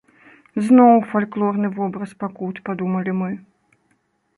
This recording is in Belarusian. Зноў фальклорны вобраз пакут, падумалі мы.